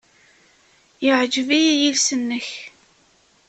Yeɛjeb-iyi yiles-nnek.